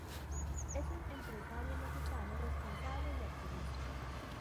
Es un empresario mexicano, responsable y activista.